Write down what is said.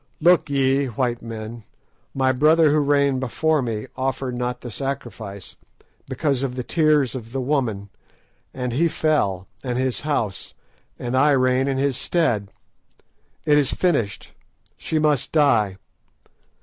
Look ye, white men, my brother who reigned before me offered not the sacrifice, because of the tears of the woman, and he fell, and his house, and I reign in his stead. It is finished; she must die!"